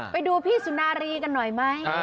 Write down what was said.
ไปดูพี่สุนารีกันหน่อยไหม